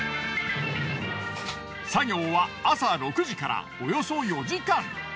作業は朝６時からおよそ４時間。